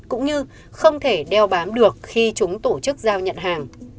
cũng như không thể đeo bám được khi chúng tổ chức giao nhận hàng